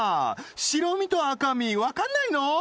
白身と赤身わかんないの？